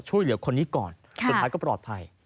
ช่วยเหลือคนนี้ก่อนสุดท้ายก็ปลอดภัย